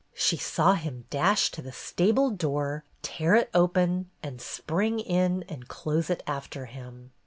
She saw him dash to the stable door, tear it open, spring in and close it after him.